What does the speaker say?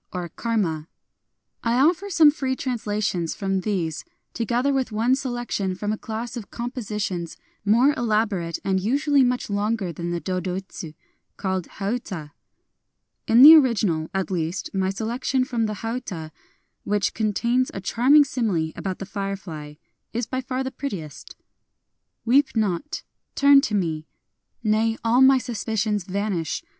I offer some free translations from these, together with one selection from a class of compositions more elaborate and usually much longer than the dodoitsu, called hauta. In the original, at least, my selection from the hauta — which contains a charming simile about the firefly — is by far the prettiest :— Weep not !— turn to me !... Nay, all my suspicions vanish